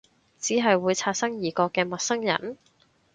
只係會擦身而過嘅陌生人？